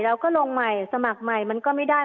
แล้วก็ลงใหม่สมัครใหม่มันก็ไม่ได้